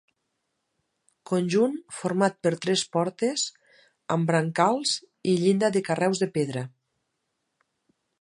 Conjunt format per tres portes, amb brancals i llinda de carreus de pedra.